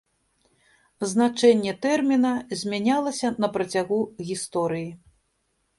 Значэнне тэрміна змянялася на працягу гісторыі.